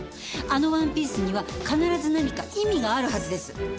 あのワンピースには必ず何か意味があるはずです。